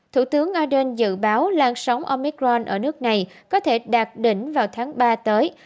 thủ tướng ardern dự báo làn sóng omicron ở nước này có thể đạt đỉnh vào tháng ba tới